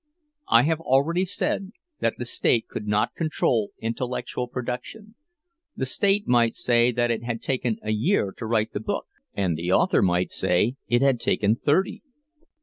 "I have already said that the state could not control intellectual production. The state might say that it had taken a year to write the book, and the author might say it had taken thirty.